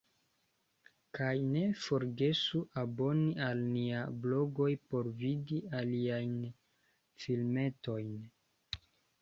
Kaj ne forgesu aboni al niaj blogoj por vidi aliajn filmetojn!